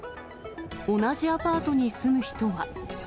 同じアパートに住む人は。